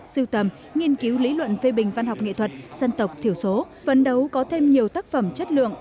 sưu tầm nghiên cứu lý luận phê bình văn học nghệ thuật dân tộc thiểu số vận đấu có thêm nhiều tác phẩm chất lượng